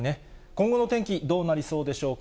今後の天気、どうなりそうでしょうか？